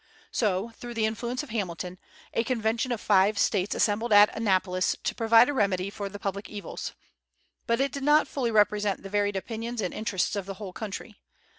So, through the influence of Hamilton, a convention of five States assembled at Annapolis to provide a remedy for the public evils. But it did not fully represent the varied opinions and interests of the whole country.